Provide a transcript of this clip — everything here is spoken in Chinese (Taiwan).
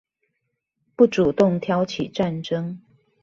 不主動挑起戰爭